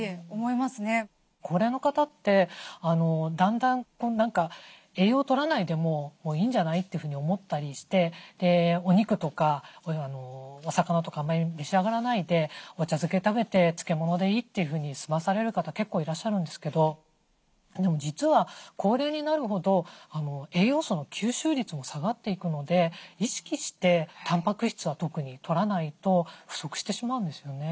高齢の方ってだんだん栄養とらないでもいいんじゃないって思ったりしてお肉とかお魚とかあんまり召し上がらないでお茶漬け食べて漬物でいいというふうに済まされる方結構いらっしゃるんですけどでも実は高齢になるほど栄養素の吸収率も下がっていくので意識してたんぱく質は特にとらないと不足してしまうんですよね。